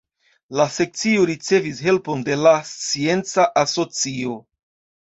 La Sekcio ricevis helpon de la Scienca Asocio.